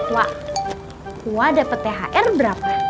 wah wah dapet thr berapa